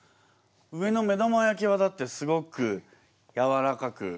上の目玉焼きはだってすごくやわらかく。